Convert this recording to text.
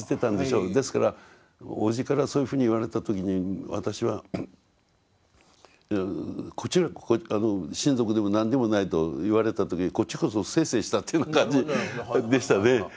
ですからおじからそういうふうに言われた時に私は親族でも何でもないと言われた時こっちこそ清々したという感じでしたね。